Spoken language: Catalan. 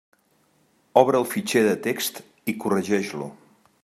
Obre el fitxer de text i corregeix-lo.